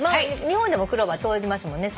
日本でもクローバー通りますもんね。